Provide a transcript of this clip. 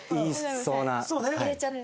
そうね。